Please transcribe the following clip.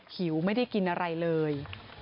หิวไม่ได้กินอะไรเลย